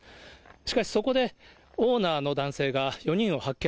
しかし、そこでオーナーの男性が、４人を発見。